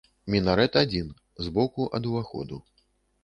Мінарэт адзін, збоку ад уваходу.